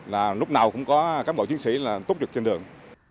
là lúc nào cũng có cán bộ chiến sĩ là túc trực trên đường